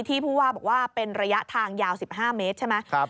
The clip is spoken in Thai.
ที่พูดว่าเป็นระยะทางยาว๑๕เมตรใช่ไหม